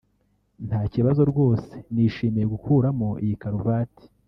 nta kibazo rwose nishimiye gukuramo iyi karuvati